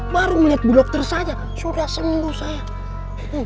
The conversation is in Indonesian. baru melihat bu dokter saja sudah sembuh saya